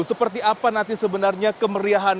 seperti apa nanti sebenarnya kemeriahan